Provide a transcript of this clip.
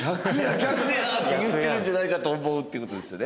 逆や！」って言ってるんじゃないかと思うっていう事ですよね。